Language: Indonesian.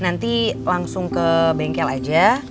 nanti langsung ke bengkel aja